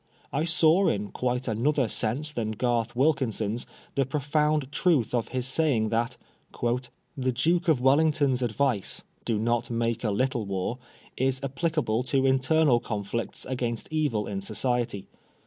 I saw, in quite another sense than Garth Wilkinson's, the profound truth of his saying that — "The Dnke of Wellington's advice, Do not make a little war, is applicable to internal conflicts against evil in society.